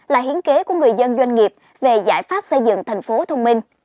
là hiến kế của người dân doanh nghiệp về giải pháp xây dựng thành phố thông minh